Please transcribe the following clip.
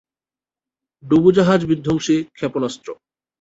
ডুবোজাহাজ-বিধ্বংসী ক্ষেপণাস্ত্র।